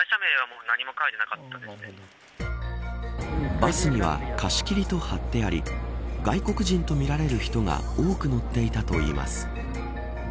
バスには貸し切りと貼ってあり外国人とみられる人が多く乗っていたといいます。